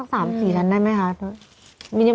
สัก๓๔ชั้นได้ไหมคะ